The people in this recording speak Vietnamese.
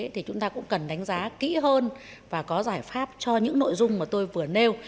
thì chúng ta cũng cần đánh giá kỹ hơn và có giải pháp cho những nội dung mà tôi vừa nêu